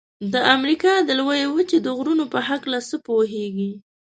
د امریکا د لویې وچې د غرونو په هکله څه پوهیږئ؟